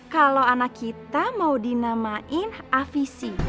kalau anak kita mau dinamain avic